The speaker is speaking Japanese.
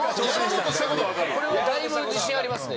これはだいぶ自信ありますね。